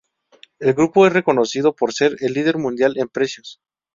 El grupo es reconocido por ser el líder mundial en precios.